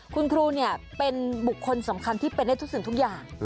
คุณครูเป็นบุคคลสำคัญที่เป็นได้ทุกสิ่งทุกอย่าง